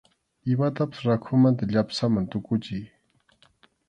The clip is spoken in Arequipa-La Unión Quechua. Imatapas rakhumanta llapsaman tukuchiy.